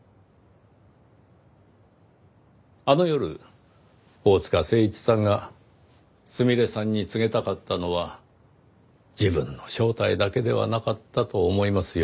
あの夜大塚誠一さんがすみれさんに告げたかったのは自分の正体だけではなかったと思いますよ。